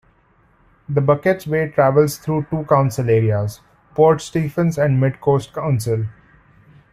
The Bucketts Way travels through two council areas: Port Stephens and Mid-Coast Council.